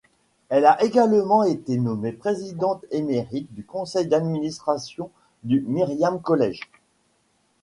Elle a également été nommée présidente émérite du Conseil d'administration du Miriam College.